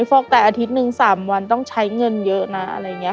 ใส่พวกไตอาทิตย์๑๓วันต้องใช้เงินเยอะ